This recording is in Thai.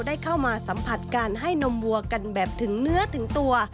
ได้เข้ามาสัมผัสการให้นมวัวกันแบบถึงเนื้อถึงตัว